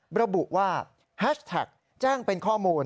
ระบุว่าแฮชแท็กแจ้งเป็นข้อมูล